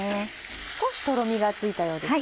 少しとろみがついたようですね。